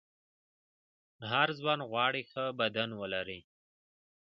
هر ځوان غواړي ښه بدن ولري.